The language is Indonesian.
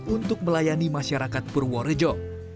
untuk melayani masyarakat purworejo